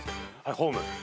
ホーム。